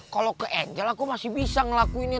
kalau ke angel aku masih bisa ngelakuinnya